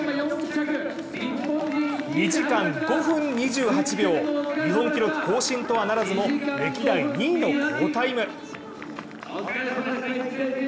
２時間５分２８秒日本記録更新とはならずも歴代２位の好タイム。